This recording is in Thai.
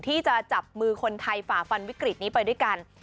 ที่จะจับมือคนไทยฝ่าฟันวิกฤตนี้ไปด้วยกัน